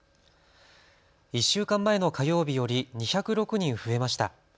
１週間前の火曜日より２０６人増えました。